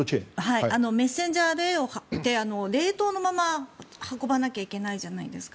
メッセンジャーＲＮＡって冷凍のまま運ばなきゃいけないじゃないですか。